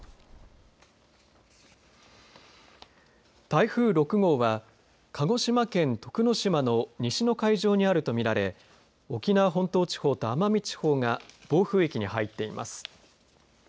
台風６号は鹿児島県徳之島の西の海上にあるとみられ沖縄本島地方と奄美地方が暴風域に入っています。